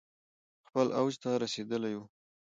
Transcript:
خپل اوج ته رسیدلي ؤ